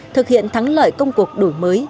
thực hiện thắng lợi công cuộc đổi mới